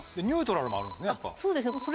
ニュートラルもあるんですね。